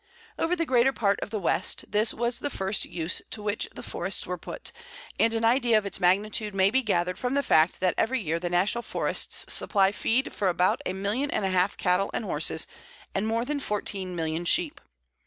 Over the greater part of the West, this was the first use to which the forests were put, and an idea of its magnitude may be gathered from the fact that every year the National Forests supply feed for about a million and a half cattle and horses, and more than fourteen million sheep.